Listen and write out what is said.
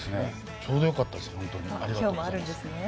ちょうどよかったです、本当にありがとうございます。